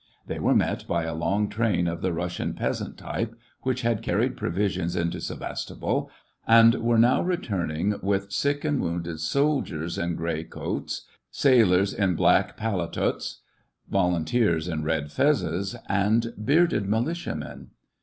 They were met by a long train of the Rus sian peasant type, which had carried provisions into Sevastopol, and was now returning with sick and wounded soldiers in gray coats, sailors in black paletots, volunteers in red fezes, and bearded mili tia men.